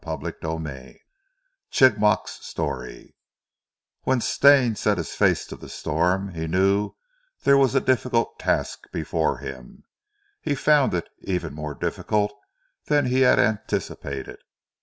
CHAPTER XXI CHIGMOK'S STORY When Stane set his face to the storm he knew there was a difficult task before him, and he found it even more difficult than he had anticipated.